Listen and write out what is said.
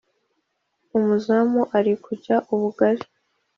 umuzamu ari kujya ubugari